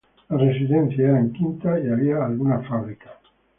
Las residencias eran quintas y había algunas fábricas.